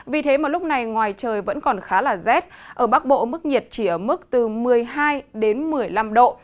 vì thế mà lúc này ngoài trời vẫn còn khá là rét ở bắc bộ mức nhiệt chỉ ở mức từ một mươi hai đến một mươi năm độ